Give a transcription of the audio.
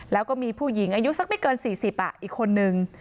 แล้วก็มีผู้หญิงอายุสักไม่เกิน๔๐อีกคนนึง